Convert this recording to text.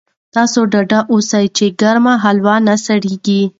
تاسو ډاډه اوسئ چې ګرمه هلوا نه سړېږي.